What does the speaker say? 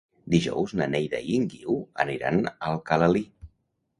Dijous na Neida i en Guiu aniran a Alcalalí.